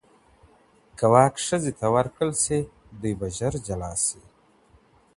که واک ښځي ته ورکړل سي دوی به ژر جلا سي.